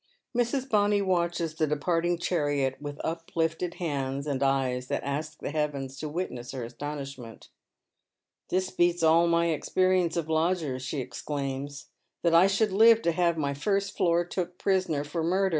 Mrs. Bonny watches the departing chariot with uplifted hands, %ni eyes that ask the heavens to witness her astonishment. *'2V« held that sorrow makes us wise. 331 "Tills beats all my experience of lodgers," she exclaims. •* That I should live to have my first floor took priBoiier for murde.